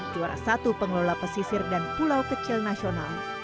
juara satu pengelola pesisir dan pulau kecil nasional